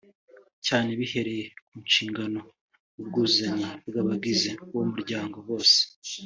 cyane bihereye ku nshingano n’ubwuzuzanye bw’abagize uwo muryango bose